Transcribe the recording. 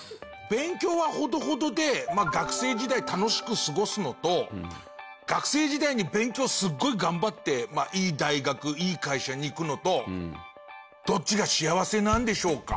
勉強はほどほどで学生時代楽しく過ごすのと学生時代に勉強をすごい頑張っていい大学いい会社に行くのとどっちが幸せなんでしょうか？